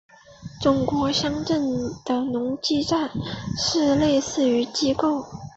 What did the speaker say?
中国乡镇的农机站是类似的机构。